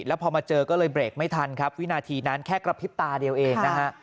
แล้วพอมาเจอก็เลยเบรกไม่ทันครับวินาทีนั้นแค่กระพริบตาเดียวเองนะฮะ